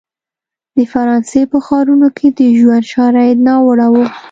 د فرانسې په ښارونو کې د ژوند شرایط ناوړه وو.